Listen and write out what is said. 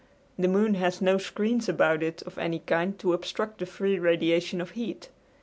The moon has no screens about it of any kind to obstruct the free radiation of heat.